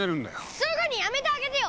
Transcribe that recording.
すぐにやめてあげてよ！